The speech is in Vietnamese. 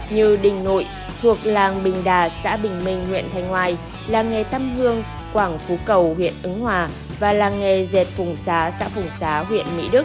như đình nội thuộc làng bình đà xã bình minh huyện thanh ngoài làng nghề tâm hương quảng phú cầu huyện ứng hòa và làng nghề dệt phùng xá xã phùng xá huyện mỹ đức